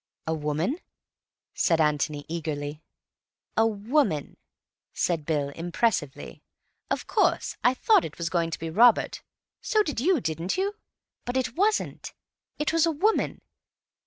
"A woman?" said Antony eagerly. "A woman," said Bill impressively. "Of course I thought it was going to be Robert—so did you, didn't you?—but it wasn't. It was a woman.